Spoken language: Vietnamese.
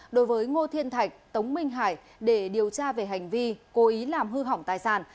đối với ngô thiên thạch tống minh hải để điều tra về hành vi cố ý làm hư hỏng tài sản